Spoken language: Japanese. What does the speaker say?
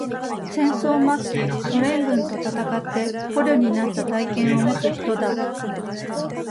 戦争末期、ソ連軍と戦って、捕虜になった体験を持つ人だ。